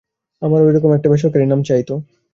আমারও ঐ রকমের একটা বেসরকারি নাম চাই তো।